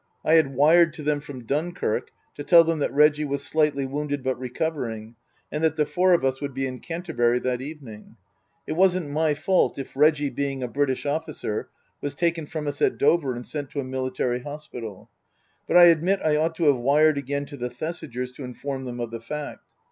I had wired to them from Dunkirk to tell them that Reggie was slightly wounded but" recovering, and that the four of us would be in Canterbury that evening. It wasn't my fault if Reggie, being a British officer, was taken from us at Dover, and sent to a military hospital ; but I admit I ought to have wired again to the Thesigers to inform them of the fact.